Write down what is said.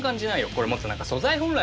これもっと何か素材本来の味。